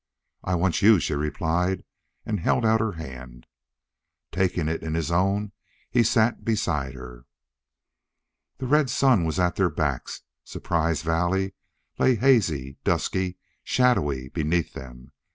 "I want you," she replied, and held out her hand. Taking it in his own, he sat beside her. The red sun was at their backs. Surprise Valley lay hazy, dusky, shadowy beneath them.